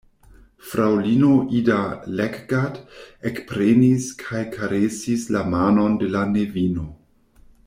Fraŭlino Ida Leggat ekprenis kaj karesis la manon de la nevino.